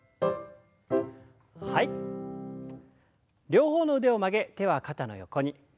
両方の腕を曲げ手は肩の横に。